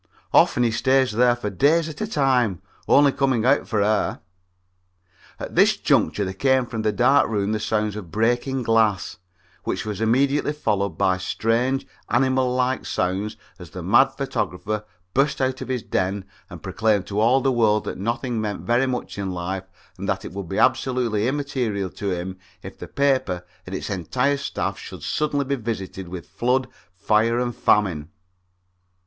Often he stays there for days at a time, only coming out for air." At this juncture there came from the dark room the sounds of breaking glass, which was immediately followed by strange animal like sounds as the mad photographer burst out of his den and proclaimed to all the world that nothing meant very much in his life and that it would be absolutely immaterial to him if the paper and its entire staff should suddenly be visited with flood, fire and famine.